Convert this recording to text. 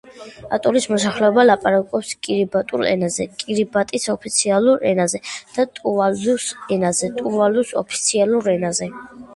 ატოლის მოსახლეობა ლაპარაკობს კირიბატულ ენაზე, კირიბატის ოფიციალურ ენაზე, და ტუვალუს ენაზე, ტუვალუს ოფიციალურ ენაზე.